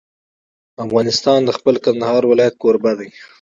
افغانستان د خپل کندهار ولایت کوربه دی.